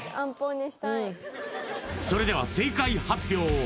それでは正解発表